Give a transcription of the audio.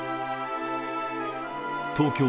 東京